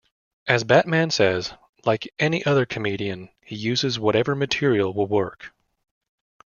As Batman says, "Like any other comedian, he uses whatever material will work".